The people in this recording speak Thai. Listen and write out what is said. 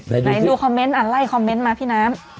ไหนดูคอมเมนต์อันไล่คอมเมนต์มาพี่น้ำ